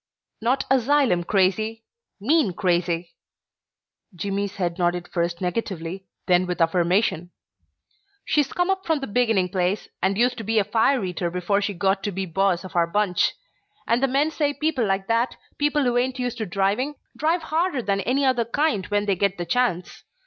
"Not asylum crazy mean crazy." Jimmy's head nodded first negatively, then with affirmation. "She's come up from the beginning place, and used to be a fire eater before she got to be boss of our bunch, and the men say people like that, people who ain't used to driving, drive harder than any other kind when they get the chance.